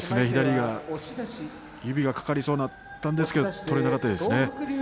左が指が掛かりそうになったんですが取れなかったですね。